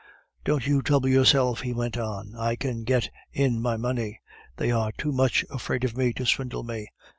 "Don't you trouble yourself," he went on; "I can get in my money. They are too much afraid of me to swindle me."